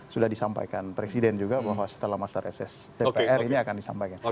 sudah disampaikan presiden juga bahwa setelah masa reses dpr ini akan disampaikan